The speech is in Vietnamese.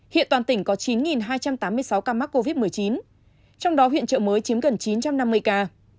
hiện toàn tỉnh có chín hai trăm tám mươi sáu ca mắc covid một mươi chín trong đó huyện trợ mới chiếm gần chín trăm năm mươi ca